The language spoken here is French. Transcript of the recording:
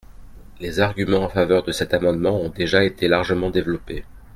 Les arguments en faveur de cet amendement ont déjà été largement développés.